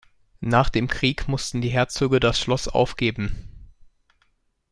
Nach dem Krieg mussten die Herzöge das Schloss aufgeben.